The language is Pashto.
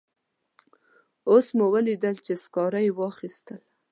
اوس مو ولیدل چې سکاره مې واخیستل.